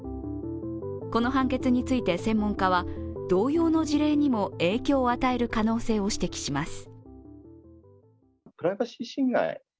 この判決について専門家は同様の事例にも影響を与える可能性を指摘します。